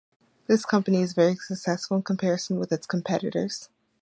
This company is very successful in comparison with its competitors.